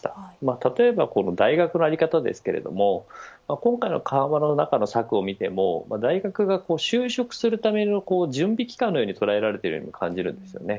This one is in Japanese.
例えば大学の在り方ですけれども今回の緩和の中の策を見ても大学が就職するための準備期間のように捉えられているように感じます。